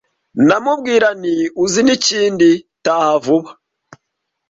ndamubwira nti uzi nikindi taha vuba